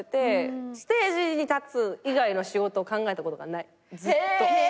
ステージに立つ以外の仕事を考えたことがないずっと。